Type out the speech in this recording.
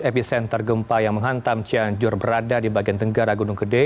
epicenter gempa yang menghantam cianjur berada di bagian tenggara gunung gede